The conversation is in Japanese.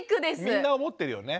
みんな思ってるよね。